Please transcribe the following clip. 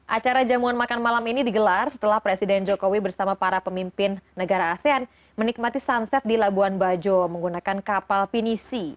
acara jamuan makan malam ini digelar setelah presiden jokowi bersama para pemimpin negara asean menikmati sunset di labuan bajo menggunakan kapal pinisi